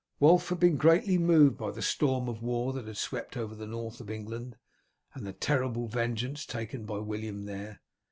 Wulf had been greatly moved by the storm of war that had swept over the North of England, and the terrible vengeance taken by William there.